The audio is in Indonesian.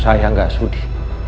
saya tidak sudi